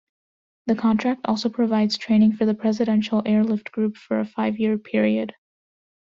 The contract also provides training for the Presidential Airlift Group for a five-year period.